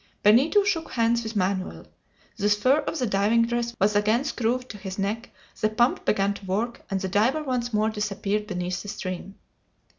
Benito shook hands with Manoel; the sphere of the diving dress was again screwed to his neck, the pump began to work, and the diver once more disappeared beneath the stream.